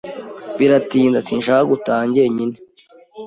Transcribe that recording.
Biratinda. Sinshaka gutaha jyenyine.